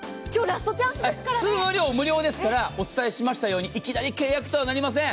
通話料無料ですから、お伝えしましたようにいきなり契約とはなりません。